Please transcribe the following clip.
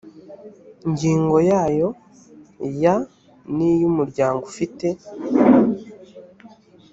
ngingo yayo ya n iya umuryango ufite